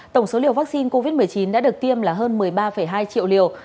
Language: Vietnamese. tổng số liều vaccine covid một mươi chín đã được tiêm là hơn một mươi ba hai triệu liều